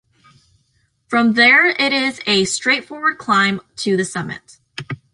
From there it is a straightforward climb to the summit.